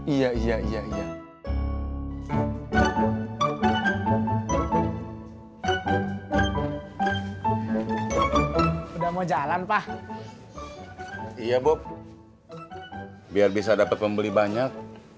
iya iya iya udah mau jalan pak iya bu biar bisa dapat pembeli banyak